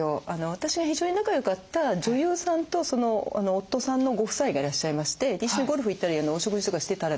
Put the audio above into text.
私が非常に仲良かった女優さんとその夫さんのご夫妻がいらっしゃいまして一緒にゴルフ行ったりお食事とかしてたらですね